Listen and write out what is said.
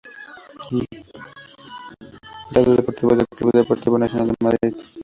Datos deportivos del Club Deportivo Nacional de Madrid.